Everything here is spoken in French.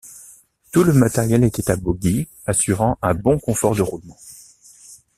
Tout le matériel était à bogies assurant un bon confort de roulement.